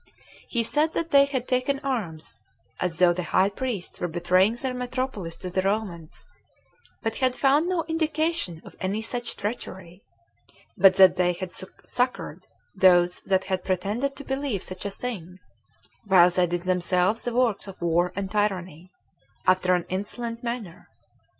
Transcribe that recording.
He said that they had taken arms, as though the high priests were betraying their metropolis to the Romans, but had found no indication of any such treachery; but that they had succored those that had pretended to believe such a thing, while they did themselves the works of war and tyranny, after an insolent manner.